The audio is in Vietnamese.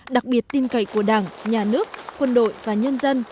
đặc biệt tin cậy của đảng nhà nước quân đội và nhân dân